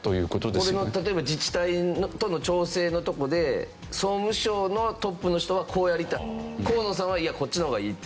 これが例えば自治体との調整のとこで総務省のトップの人はこうやりたい河野さんはいやこっちの方がいいって。